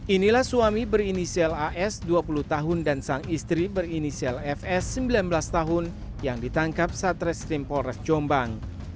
inilah suami berinisial as dua puluh tahun dan sang istri berinisial fs sembilan belas tahun yang ditangkap saat reskrim polres jombang